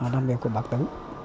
là năng lượng của bạc tử